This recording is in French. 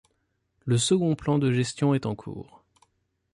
Le second plan de gestion est en cours.